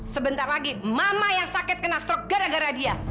sebentar lagi mama yang sakit kena strok gara gara dia